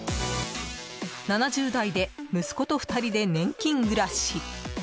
７０代で息子と２人で年金暮らし。